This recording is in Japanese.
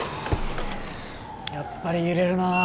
やっぱり揺れるな。